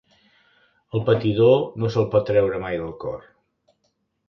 El patidor no se'l pot treure mai del cor.